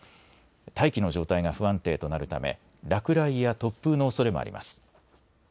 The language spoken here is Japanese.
大気の状態が不安定となるため落雷や突風のおそれもあります。